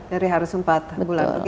jadi harus empat bulan